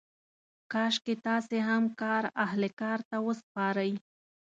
کاشکې تاسې هم کار اهل کار ته وسپارئ.